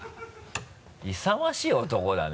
勇ましい男だね。